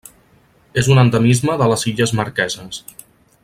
És un endemisme de les Illes Marqueses.